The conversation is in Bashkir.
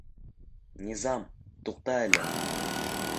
Низам, туҡта әле!